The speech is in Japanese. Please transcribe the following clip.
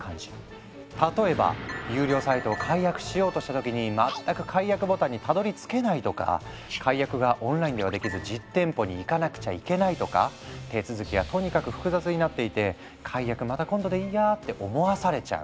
例えば有料サイトを解約しようとした時に全く解約ボタンにたどりつけないとか解約がオンラインではできず実店舗に行かなくちゃいけないとか手続きがとにかく複雑になっていて「解約また今度でいいや」って思わされちゃう。